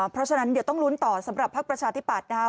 เพราะฉะนั้นเดี๋ยวต้องลุ้นต่อสำหรับภักดิ์ประชาธิปัตย์นะครับ